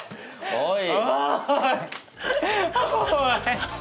おい！